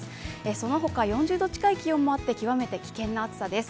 そのほか４０度近い気温もあって極めて危険な暑さです。